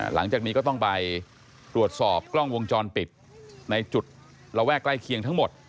หลังจากนี้ก็ต้องไปตรวจสอบกล้องวงจรปิดในจุดระแวกใกล้เคียงทั้งหมด